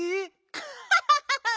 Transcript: アハハハハ！